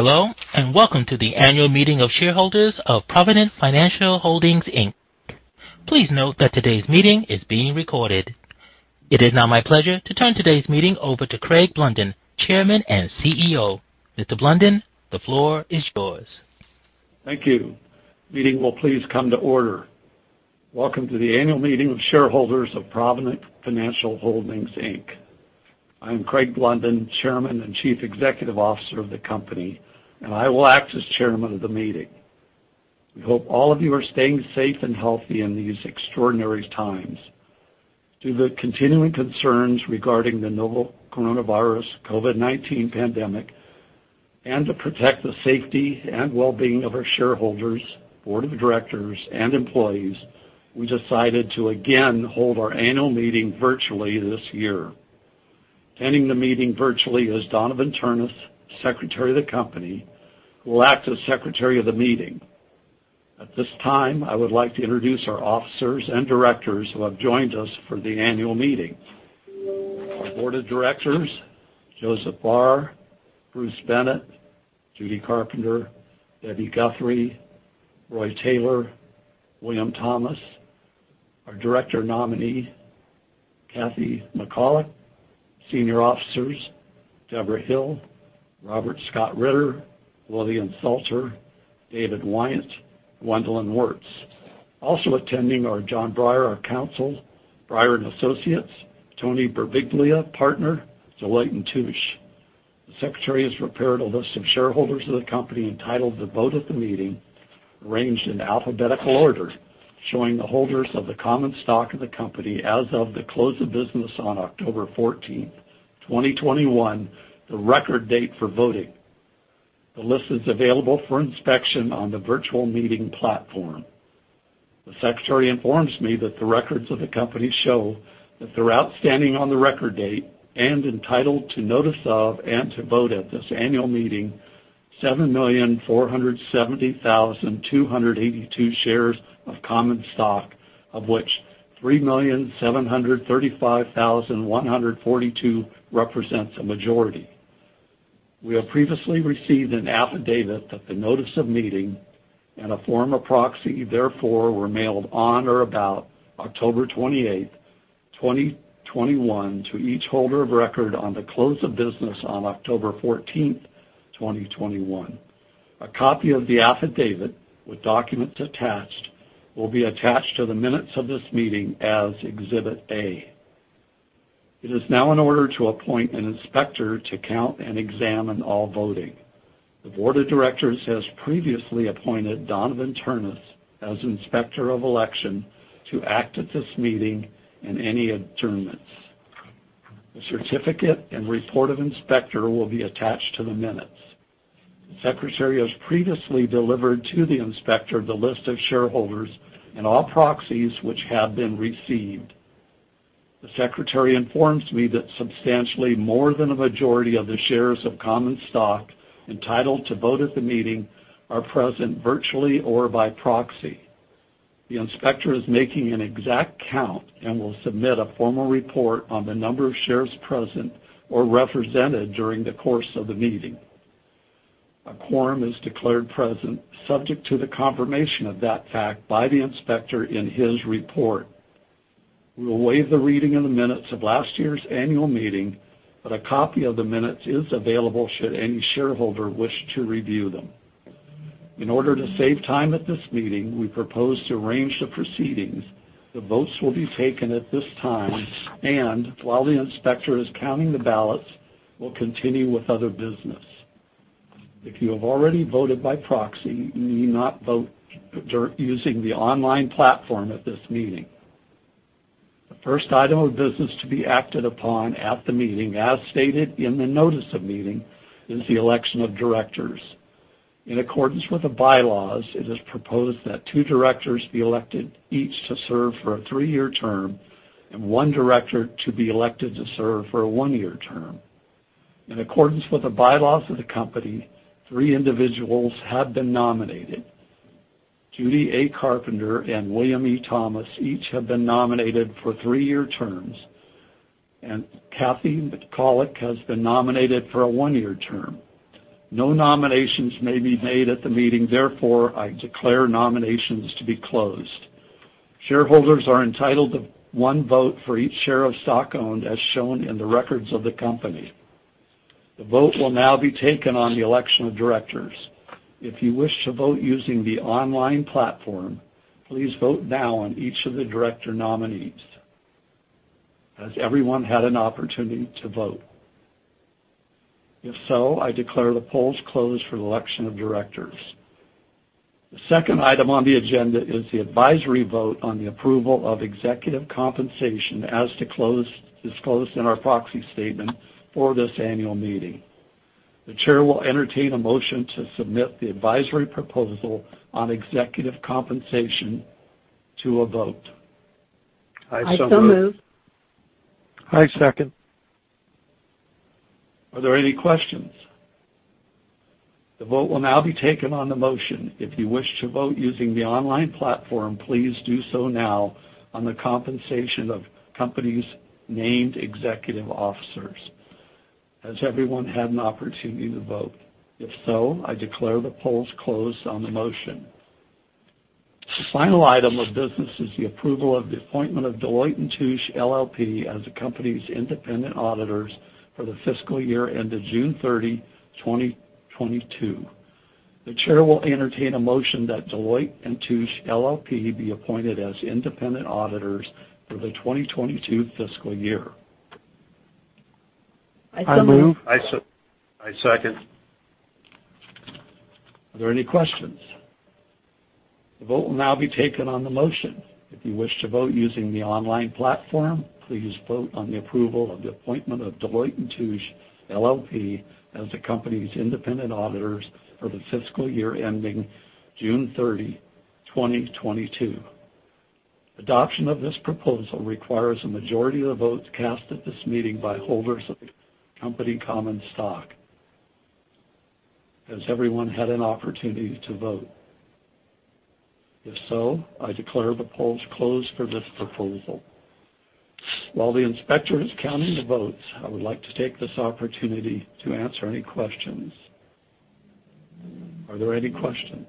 Hello, and welcome to the annual meeting of shareholders of Provident Financial Holdings, Inc. Please note that today's meeting is being recorded. It is now my pleasure to turn today's meeting over to Craig Blunden, Chairman and CEO. Mr. Blunden, the floor is yours. Thank you. The meeting will please come to order. Welcome to the annual meeting of shareholders of Provident Financial Holdings, Inc. I'm Craig Blunden, Chairman and Chief Executive Officer of the company, and I will act as chairman of the meeting. We hope all of you are staying safe and healthy in these extraordinary times. Due to the continuing concerns regarding the novel coronavirus, COVID-19 pandemic, and to protect the safety and well-being of our shareholders, board of directors, and employees, we decided to again hold our annual meeting virtually this year. Attending the meeting virtually is Donavon Ternes, Secretary of the company, who will act as Secretary of the meeting. At this time, I would like to introduce our officers and directors who have joined us for the annual meeting. Our board of directors, Joseph Barr, Bruce Bennett, Judy Carpenter, Debbi Guthrie, Roy Taylor, William Thomas. Our director nominee, Kathy Michalak. Senior officers, Deborah Hill, Robert Scott Ritter, William Salter, David S. Weiant, Gwendolyn L. Wertz. Also attending are John Breyer, our counsel, Breyer and Associates, Tony Berbiglia, partner, Deloitte & Touche. The secretary has prepared a list of shareholders of the company entitled to vote at the meeting, arranged in alphabetical order, showing the holders of the common stock of the company as of the close of business on October 14, 2021, the record date for voting. The list is available for inspection on the virtual meeting platform. The secretary informs me that the records of the company show that they're outstanding on the record date and entitled to notice of and to vote at this annual meeting, 7,470,282 shares of common stock, of which 3,735,142 represents a majority. We have previously received an affidavit that the notice of meeting and a form of proxy, therefore, were mailed on or about October 28, 2021 to each holder of record on the close of business on October 14, 2021. A copy of the affidavit with documents attached will be attached to the minutes of this meeting as Exhibit A. It is now in order to appoint an inspector to count and examine all voting. The board of directors has previously appointed Donavon Ternes as Inspector of Election to act at this meeting and any adjournments. The certificate and report of inspector will be attached to the minutes. The secretary has previously delivered to the inspector the list of shareholders and all proxies which have been received. The secretary informs me that substantially more than a majority of the shares of common stock entitled to vote at the meeting are present virtually or by proxy. The inspector is making an exact count and will submit a formal report on the number of shares present or represented during the course of the meeting. A quorum is declared present subject to the confirmation of that fact by the inspector in his report. We will waive the reading of the minutes of last year's annual meeting, but a copy of the minutes is available should any shareholder wish to review them. In order to save time at this meeting, we propose to arrange the proceedings. The votes will be taken at this time, and while the inspector is counting the ballots, we'll continue with other business. If you have already voted by proxy, you need not vote using the online platform at this meeting. The first item of business to be acted upon at the meeting, as stated in the notice of meeting, is the election of directors. In accordance with the bylaws, it is proposed that 2 directors be elected, each to serve for a 3-year term, and one director to be elected to serve for a 1-year term. In accordance with the bylaws of the company, three individuals have been nominated. Judy A. Carpenter and William E. Thomas each have been nominated for three-year terms, and Kathy Michalak has been nominated for a one-year term. No nominations may be made at the meeting. Therefore, I declare nominations to be closed. Shareholders are entitled to one vote for each share of stock owned, as shown in the records of the company. The vote will now be taken on the election of directors. If you wish to vote using the online platform, please vote now on each of the director nominees. Has everyone had an opportunity to vote? If so, I declare the polls closed for the election of directors. The second item on the agenda is the advisory vote on the approval of executive compensation as disclosed in our proxy statement for this annual meeting. The chair will entertain a motion to submit the advisory proposal on executive compensation to a vote. I second. Are there any questions? The vote will now be taken on the motion. If you wish to vote using the online platform, please do so now on the compensation of the company's named executive officers. Has everyone had an opportunity to vote? If so, I declare the polls closed on the motion. The final item of business is the approval of the appointment of Deloitte & Touche LLP as the company's independent auditors for the fiscal year ended June 30, 2022. The chair will entertain a motion that Deloitte & Touche LLP be appointed as independent auditors for the 2022 fiscal year. I move. I second. Are there any questions? The vote will now be taken on the motion. If you wish to vote using the online platform, please vote on the approval of the appointment of Deloitte & Touche LLP as the company's independent auditors for the fiscal year ending June 30, 2022. Adoption of this proposal requires a majority of the votes cast at this meeting by holders of the company common stock. Has everyone had an opportunity to vote? If so, I declare the polls closed for this proposal. While the inspector is counting the votes, I would like to take this opportunity to answer any questions. Are there any questions?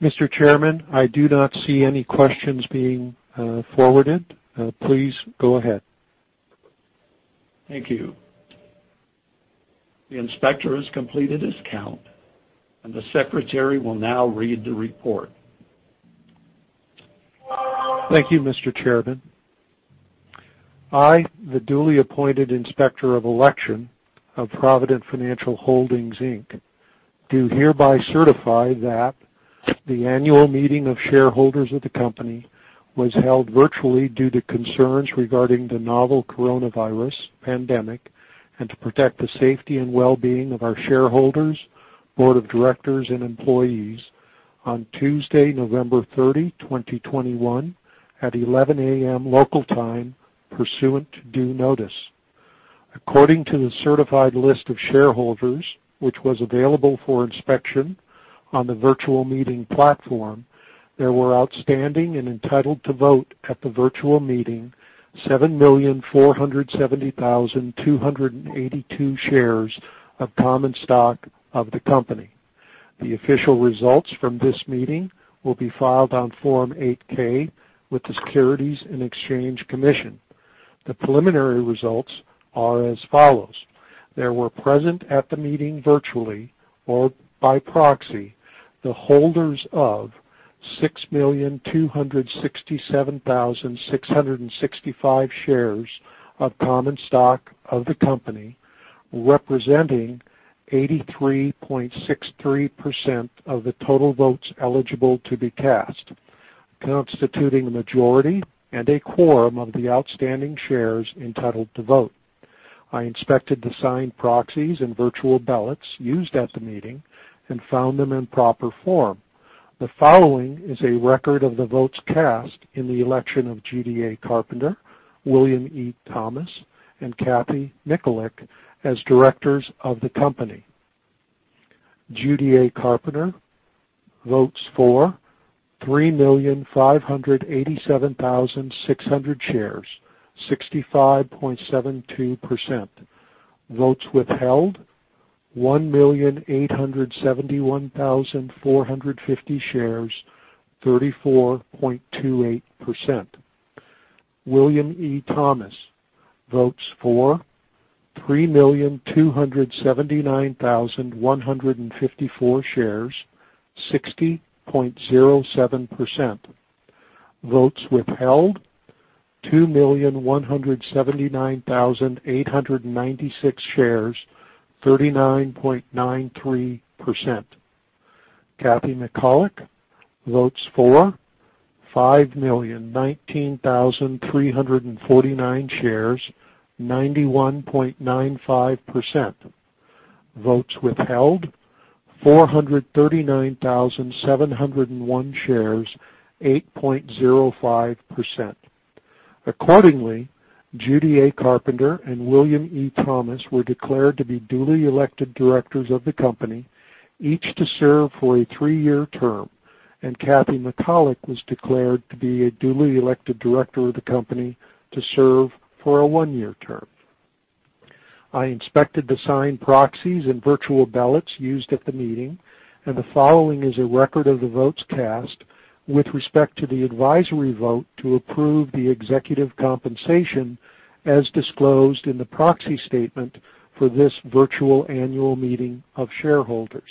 Mr. Chairman, I do not see any questions being forwarded. Please go ahead. Thank you. The inspector has completed his count, and the secretary will now read the report. Thank you, Mr. Chairman. I, the duly appointed Inspector of Election of Provident Financial Holdings, Inc., do hereby certify that the annual meeting of shareholders of the company was held virtually due to concerns regarding the novel coronavirus pandemic and to protect the safety and well-being of our shareholders, board of directors and employees on Tuesday, November 30, 2021 at 11:00 A.M. local time pursuant to due notice. According to the certified list of shareholders which was available for inspection on the virtual meeting platform, there were outstanding and entitled to vote at the virtual meeting 7,470,282 shares of common stock of the company. The official results from this meeting will be filed on Form 8-K with the Securities and Exchange Commission. The preliminary results are as follows. There were present at the meeting, virtually or by proxy, the holders of 6,267,665 shares of common stock of the company, representing 83.63% of the total votes eligible to be cast, constituting a majority and a quorum of the outstanding shares entitled to vote. I inspected the signed proxies and virtual ballots used at the meeting and found them in proper form. The following is a record of the votes cast in the election of Judy A. Carpenter, William E. Thomas, and Kathy Michalak as directors of the company. Judy A. Carpenter votes for 3,587,600 shares, 65.72%. Votes withheld, 1,871,450 shares, 34.28%. William E. Thomas votes for 3,279,154 shares, 60.07%. Votes withheld, 2,179,896 shares, 39.93%. Kathy Michalak votes for 5,019,349 shares, 91.95%. Votes withheld, 439,701 shares, 8.05%. Accordingly, Judy A. Carpenter and William E. Thomas were declared to be duly elected directors of the company, each to serve for a three-year term, and Kathy Michalak was declared to be a duly elected director of the company to serve for a one-year term. I inspected the signed proxies and virtual ballots used at the meeting, and the following is a record of the votes cast with respect to the advisory vote to approve the executive compensation as disclosed in the proxy statement for this virtual annual meeting of shareholders.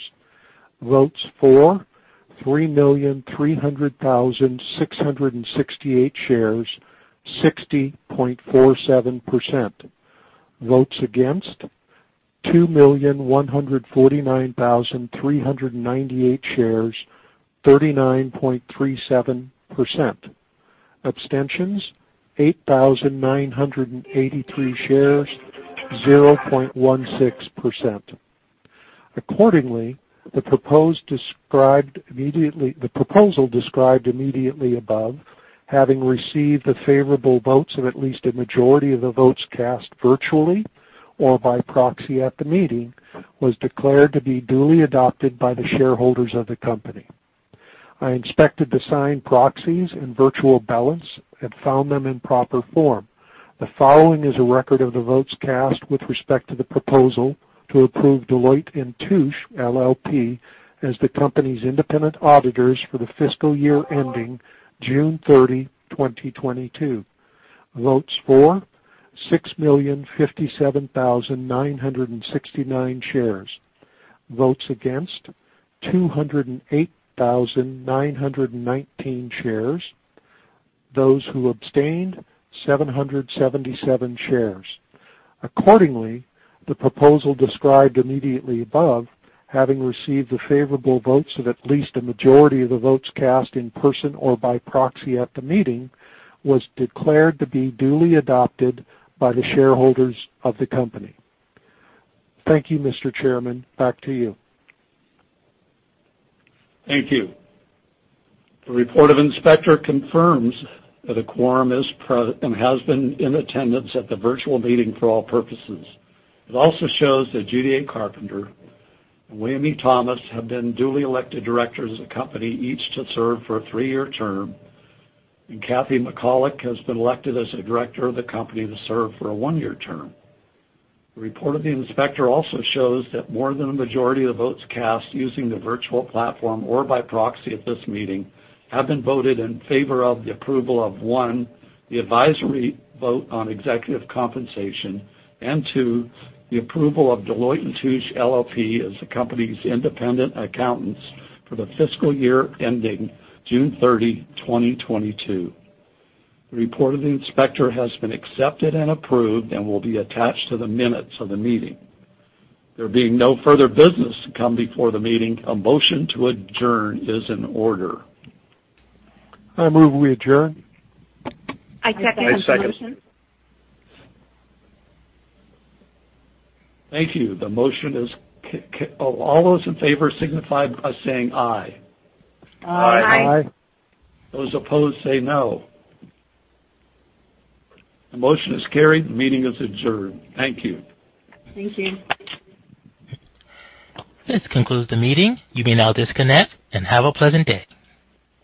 Votes for 3,300,668 shares, 60.47%. Votes against 2,149,398 shares, 39.37%. Abstentions, 8,983 shares, 0.16%. Accordingly, the proposal described immediately above, having received the favorable votes of at least a majority of the votes cast virtually or by proxy at the meeting, was declared to be duly adopted by the shareholders of the company. I inspected the signed proxies and virtual ballots and found them in proper form. The following is a record of the votes cast with respect to the proposal to approve Deloitte & Touche LLP as the company's independent auditors for the fiscal year ending June 30, 2022. Votes for, 6,057,969 shares. Votes against, 208,919 shares. Those who abstained, 777 shares. Accordingly, the proposal described immediately above, having received the favorable votes of at least a majority of the votes cast in person or by proxy at the meeting, was declared to be duly adopted by the shareholders of the company. Thank you, Mr. Chairman. Back to you. Thank you. The report of the Inspector confirms that a quorum is present and has been in attendance at the virtual meeting for all purposes. It also shows that Judy A. Carpenter and William E. Thomas have been duly elected directors of the company, each to serve for a three-year term, and Kathy Michalak has been elected as a director of the company to serve for a one-year term. The report of the Inspector also shows that more than a majority of votes cast using the virtual platform or by proxy at this meeting have been voted in favor of the approval of, one, the advisory vote on executive compensation, and two, the approval of Deloitte & Touche LLP as the company's independent accountants for the fiscal year ending June 30, 2022. The report of the Inspector has been accepted and approved and will be attached to the minutes of the meeting. There being no further business to come before the meeting, a motion to adjourn is in order. I move we adjourn. I second the motion. Thank you. All those in favor signify by saying aye. Aye. Those opposed say no. The motion is carried. The meeting is adjourned. Thank you. Thank you. This concludes the meeting. You may now disconnect and have a pleasant day.